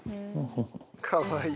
かわいい。